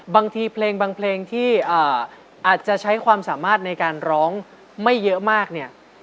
บางทีเพลงบางเพลงที่อาจจะใช้ความสามารถในการร้องไม่เยอะมากเนี่ย